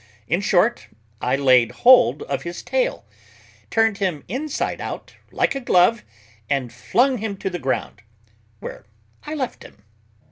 In short, I laid hold of his tail, turned him inside out like a glove, and flung him to the ground, where I left him.